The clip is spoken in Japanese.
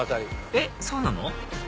えっそうなの？